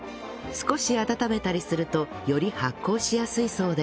少し温めたりするとより発酵しやすいそうです